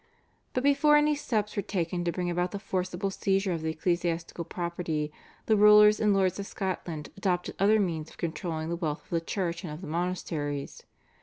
But before any steps were taken to bring about the forcible seizure of the ecclesiastical property the rulers and lords of Scotland adopted other means of controlling the wealth of the Church and of the monasteries.